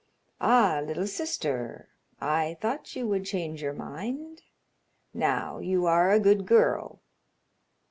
"Ah! little sister; I thought you would change your mind. Now you are a good girl."